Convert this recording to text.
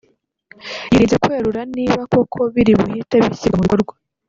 yirinze kwerura niba koko biri buhite bishyirwa mu bikorwa